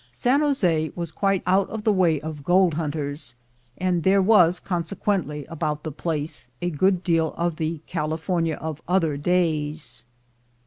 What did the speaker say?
San Jose was quite out of the way of gold hunters, and there was consequently about the place a good deal of the California of other days.